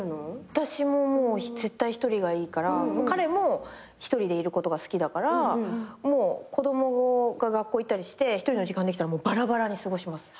私ももう絶対一人がいいから彼も一人でいることが好きだから子供が学校行ったりして一人の時間できたらばらばらに過ごします。